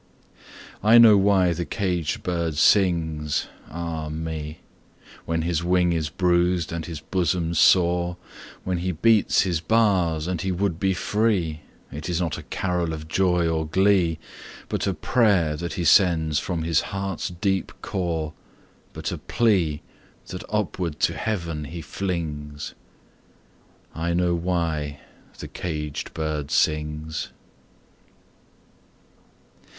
I know why the caged bird sings, ah me, When his wing is bruised and his bosom sore, When he beats his bars and he would be free; It is not a carol of joy or glee, But a prayer that he sends from his heart's deep core, But a plea, that upward to Heaven he flings I know why the caged bird sings!